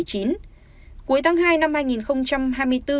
cuối tháng hai năm hai nghìn hai mươi